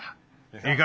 いいか？